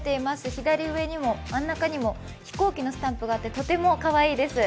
左上にも真ん中にも飛行機のスタンプがあってとてもかわいいです。